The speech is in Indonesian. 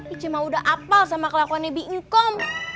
ica mah udah apal sama kelakuan binkom